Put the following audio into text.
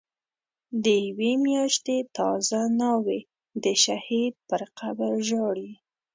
د یوی میاشتی تازه ناوی، دشهید پر قبرژاړی